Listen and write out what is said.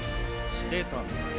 してたんだよ